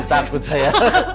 dia di busnya